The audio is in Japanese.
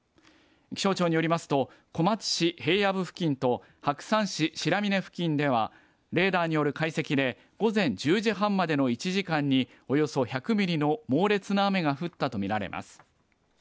気象庁によりますと小松市平野部付近と白山市白峰付近ではレーダーによる解析で午前１０時半までの１時間におよそ１００ミリの猛烈な雨が降ったと見られます。